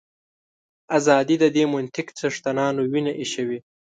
ازادي د دې منطق څښتنانو وینه ایشوي.